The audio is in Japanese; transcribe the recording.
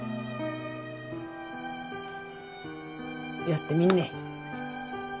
やってみんね。